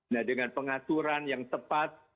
nah dengan pengaturan yang tepat